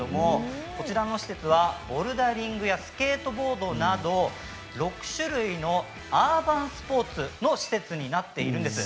こちらはボルダリングやスケートボードなど６種類のアーバンスポーツの施設になっているんです。